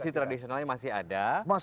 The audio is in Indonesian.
sisi tradisionalnya masih ada